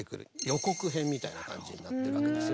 予告編みたいな感じになってるわけですよね。